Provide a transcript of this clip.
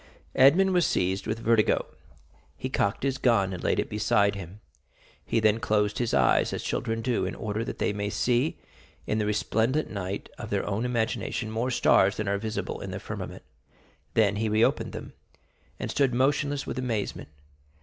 0307m Edmond was seized with vertigo; he cocked his gun and laid it beside him. He then closed his eyes as children do in order that they may see in the resplendent night of their own imagination more stars than are visible in the firmament; then he re opened them, and stood motionless with amazement.